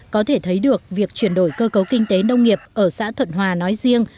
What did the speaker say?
có thể thấy được việc chuyển đổi cơ cấu kinh tế nông nghiệp ở xã thuận hòa nói riêng